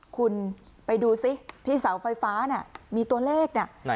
คุณไปดูซิที่เสาไฟฟ้าน่ะมีตัวเลขน่ะ